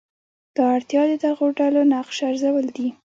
دا اړتیا د دغو ډلو نقش ارزول دي.